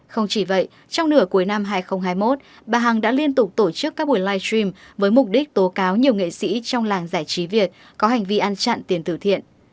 không chỉ vậy trong nửa cuối năm hai nghìn hai mươi một bà hằng đã liên tục tổ chức các buổi live stream với mục đích tố cáo nhiều nghệ sĩ trong làng giải trí việt có hành vi ăn chặn tiền tử thiện